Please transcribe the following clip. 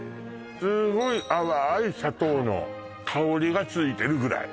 すごい淡い砂糖の香りがついてるぐらい